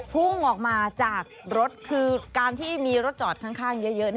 พุ่งออกมาจากรถคือการที่มีรถจอดข้างเยอะ